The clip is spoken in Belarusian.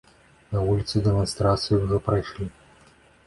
На вуліцы дэманстрацыі ўжо прайшлі.